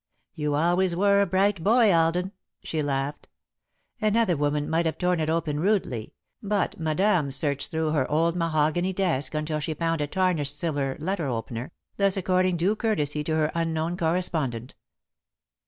"You always were a bright boy, Alden," she laughed. Another woman might have torn it open rudely, but Madame searched through her old mahogany desk until she found a tarnished silver letter opener, thus according due courtesy to her unknown correspondent.